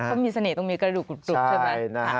เขามีเสน่ห์ตรงมีกระดูกกรุบใช่ไหม